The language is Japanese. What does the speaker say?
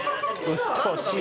うっとうしい！